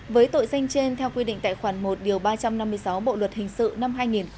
với tội danh trên theo quy định tại khoản một ba trăm năm mươi sáu bộ luật hình sự năm hai nghìn một mươi năm